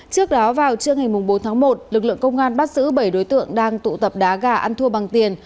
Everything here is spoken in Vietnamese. trước đó vào trưa ngày bốn tháng một lực lượng công an bắt giữ bảy đối tượng đang tụ tập đá gà ăn thua bằng tiền